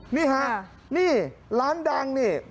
นี่ฮะนี่ร้านดังนี่